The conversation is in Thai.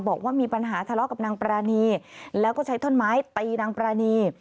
บอกว่ามีปัญหาทะเลาะกับนางปรานีแล้วก็ใช้ท่อนไม้ตีนางปรานี